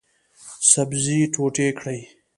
سبزي ټوټې کړئ